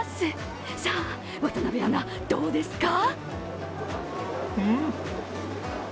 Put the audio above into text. さあ、渡部アナ、どうですか？